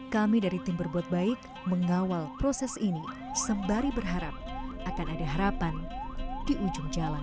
kami dari tim berbuat baik mengawal proses ini sembari berharap akan ada harapan di ujung jalan